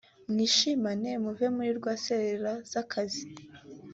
mwishimane muve muri rwaserera z’akazi